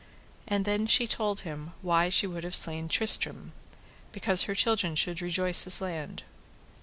And then she told him why she would have slain Tristram, because her children should rejoice his land.